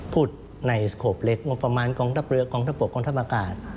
พูดในสโขปเล็กงบประมาณกองทัพเรือกองทัพบกกองทัพอากาศ